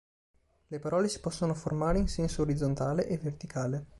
Le parole si possono formare in senso orizzontale e verticale.